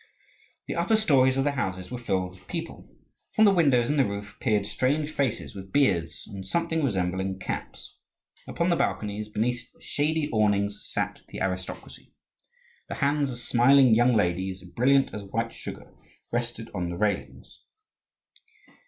The upper stories of the houses were filled with people. From the windows in the roof peered strange faces with beards and something resembling caps. Upon the balconies, beneath shady awnings, sat the aristocracy. The hands of smiling young ladies, brilliant as white sugar, rested on the railings.